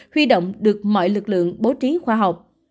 huy động được mọi lực lượng bố trí khoa học